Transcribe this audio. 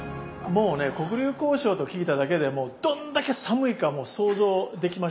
もうね黒竜江省と聞いただけでどんだけ寒いかもう想像できました。